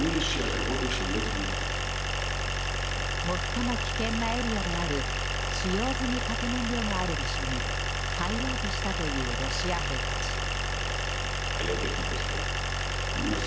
最も危険なエリアである使用済み核燃料がある場所に入ろうとしたというロシア兵たち。